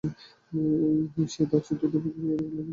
সে তার চতুর্থ ও পঞ্চম পিরিয়ড ক্লাসে উপস্থিত হয়নি।